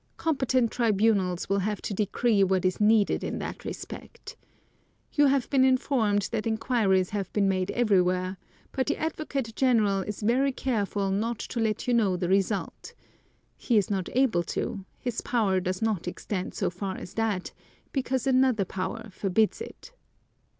Competent tribunals will have to decree what is needed in that respect. You have been informed that inquiries have been made everywhere, but the Advocate General is very careful not to let you know the result: he is not able to, his power does not extend so far as that, because another power forbids it.